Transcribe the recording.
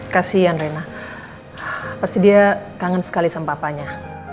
kasihan rena pasti dia kangen sekali sama papanya